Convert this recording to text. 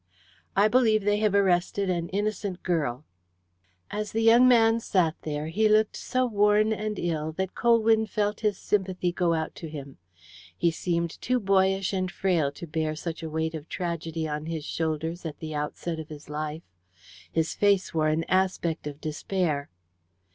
"I believe they have arrested an innocent girl." As the young man sat there, he looked so worn and ill that Colwyn felt his sympathy go out to him. He seemed too boyish and frail to bear such a weight of tragedy on his shoulders at the outset of his life. His face wore an aspect of despair.